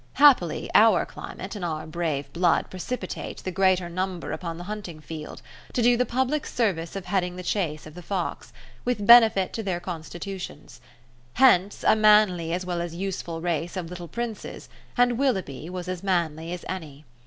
Happily our climate and our brave blood precipitate the greater number upon the hunting field, to do the public service of heading the chase of the fox, with benefit to their constitutions. Hence a manly as well as useful race of little princes, and Willoughby was as manly as any.